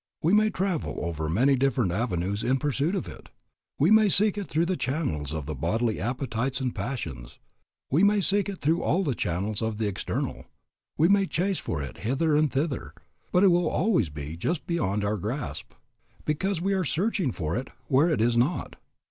We may travel over many different avenues in pursuit of it, we may seek it through the channels of the bodily appetites and passions, we may seek it through all the channels of the external, we may chase for it hither and thither, but it will always be just beyond our grasp, because we are searching for it where it is not.